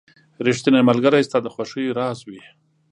• ریښتینی ملګری ستا د خوښیو راز وي.